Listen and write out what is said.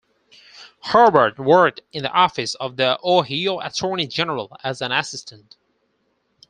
Herbert worked in the office of the Ohio Attorney General as an assistant.